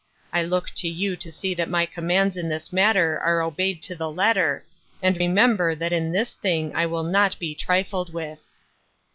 I lock to you to see that my commands in this matter are obeyed to the letter, and remember that in this thing I will not be trifled with."